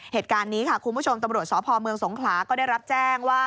เหตุการณ์นี้ค่ะคุณผู้ชมตำรวจสพเมืองสงขลาก็ได้รับแจ้งว่า